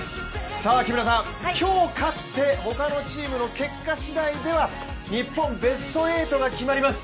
木村さん、今日勝ってほかのチームの結果次第では日本、ベスト８が決まります。